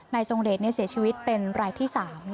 ทรงเดชเสียชีวิตเป็นรายที่๓